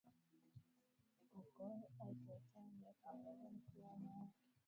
Mkulu au Sultana ndiyo Kiongozi Mkuu wa wanawake wote kwenye eneo la Uchifu Uluguruni